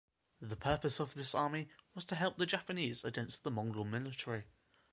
The purpose of this army was to help the Japanese against the Mongol military.